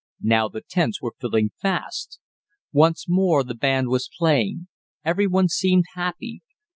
Now the tents were filling fast. Once more the band was playing. Everyone seemed happy.